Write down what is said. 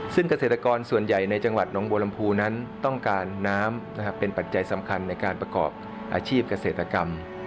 ซึ่งเกษตรกรส่วนใหญ่ในจังหวัดน้องบัวลำพูนั้นต้องการน้ำเป็นปัจจัยสำคัญในการประกอบอาชีพเกษตรกรรม